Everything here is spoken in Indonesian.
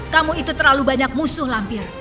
kamu itu terlalu banyak musuh lampir